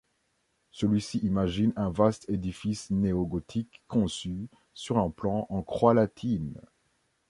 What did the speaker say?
Celui-ci imagine un vaste édifice néo-gothique conçu sur un plan en croix latine.